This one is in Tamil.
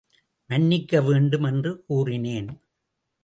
மன்னிக்க வேண்டும், என்று கூறினேன்.